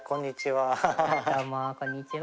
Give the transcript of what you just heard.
どうもこんにちは。